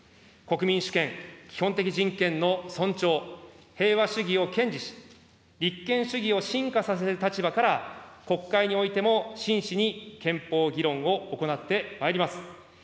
国民主権、基本的人権の尊重、平和主義を堅持し、立憲主義を深化させる立場から、国会においても真摯に憲法議論を行ってまいります。